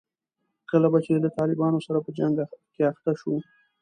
کله به چې له طالبانو سره په جنګ کې اخته شوو.